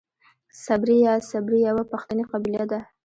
صبري يا سبري يوۀ پښتني قبيله ده.